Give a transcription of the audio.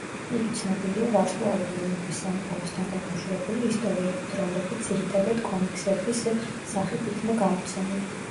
იგი ცნობილია „ვარსკვლავური ომების“ სამყაროსთან დაკავშირებული ისტორიებით, რომლებიც ძირითადად კომიქსების სახით იქნა გამოცემული.